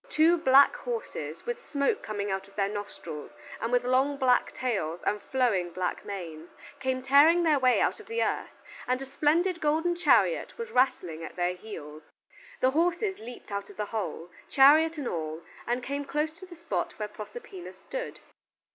Two black horses, with smoke coming out of their nostrils and with long black tails and flowing black manes, came tearing their way out of the earth, and a splendid golden chariot was rattling at their heels. The horses leaped out of the hole, chariot and all, and came close to the spot where Proserpina stood.